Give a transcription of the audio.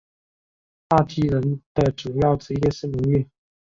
帕基人的主要职业是农业。